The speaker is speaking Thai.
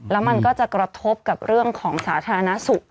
แล้วมันก็จะกระทบกับเรื่องของสาธารณสุข